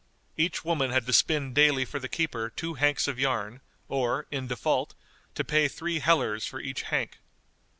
Each woman had to spin daily for the keeper two hanks of yarn, or, in default, to pay three hellers for each hank.